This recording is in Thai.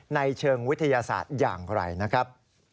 ในเชิงวิทยาศาสตร์อย่างไรนะครับ